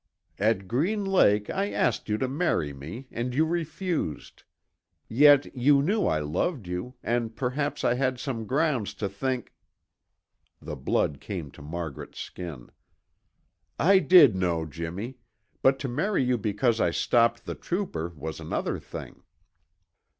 "At Green Lake I asked you to marry me and you refused. Yet you knew I loved you and perhaps I had some grounds to think " The blood came to Margaret's skin. "I did know, Jimmy; but to marry you because I stopped the trooper was another thing."